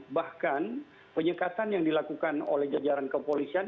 dan bahkan penyekatan yang dilakukan oleh jejaran kepolisian